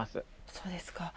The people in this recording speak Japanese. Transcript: そうですか。